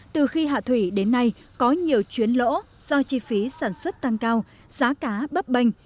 từ khi hạ thủy đến nay có nhiều chuyến lỗ do chi phí sản xuất tăng cao giá cá bấp bênh